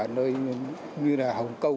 như là hồng kông